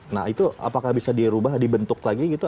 nah itu apakah bisa dirubah dibentuk lagi gitu